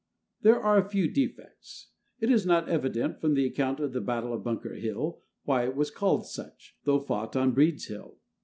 There are a few defects: It is not evident from the account of the Battle of Bunker Hill why it was called such, though fought on Breed's Hill.